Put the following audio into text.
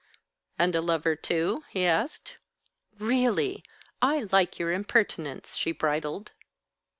"And a lover, too?" he asked. "Really! I like your impertinence!" she bridled.